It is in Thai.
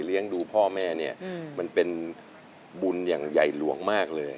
ดูพ่อแม่เนี่ยมันเป็นบุญอย่างใหญ่หลวงมากเลย